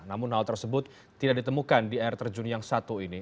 namun hal tersebut tidak ditemukan di air terjun yang satu ini